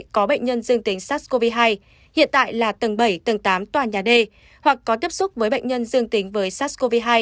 có bệnh nhân dương tính sars cov hai hiện tại là tầng bảy tầng tám tòa nhà d hoặc có tiếp xúc với bệnh nhân dương tính với sars cov hai